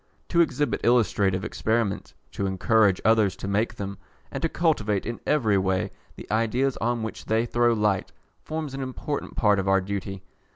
To exhibit illustrative experiments, to encourage others to make them, and to cultivate in every way the ideas on which they throw light, forms an important part of our duty.